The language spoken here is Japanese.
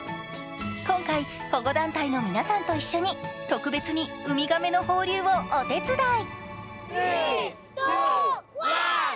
今回、保護団体の皆さんと一緒に特別に海亀の放流をお手伝い。